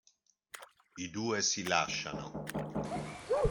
I due si lasciano.